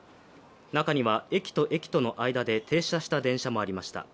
中には駅と駅との間で停車した電車もありました。